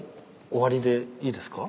終わりでいいですか？